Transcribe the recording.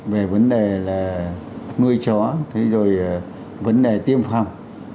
về vấn đề là nuôi chó vấn đề tiêm phòng